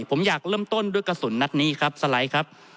ผมอยากเริ่มต้นด้วยกระสุนนัดนี้ครับสไลด์ครับ